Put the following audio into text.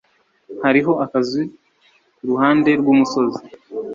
Hariho akazu kuruhande rwumusozi.